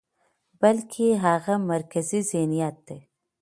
بلکې هغه مرکزي ذهنيت دى،